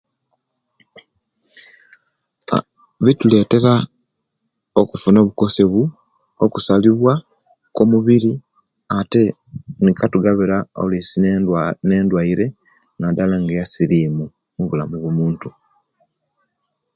Aa bituletera okufuna obukosobi okusalibwa kwo mubulri ate nikatugabira oluisi ne endwaire nga eyasirmu mubulamu bwo muntu